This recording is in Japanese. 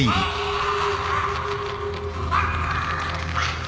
ああ